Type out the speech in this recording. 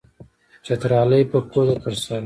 چترالی پکول یې پر سر وو.